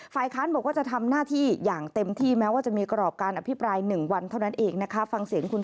ค้านบอกว่าจะทำหน้าที่อย่างเต็มที่แม้ว่าจะมีกรอบการอภิปราย๑วันเท่านั้นเองนะคะฟังเสียงคุณ